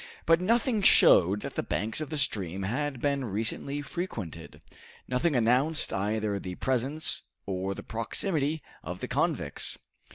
But nothing showed that the banks of the stream had been recently frequented nothing announced either the presence or the proximity of the convicts.